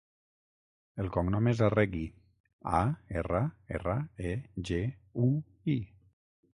El cognom és Arregui: a, erra, erra, e, ge, u, i.